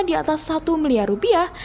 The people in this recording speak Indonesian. di atas satu miliar rupiah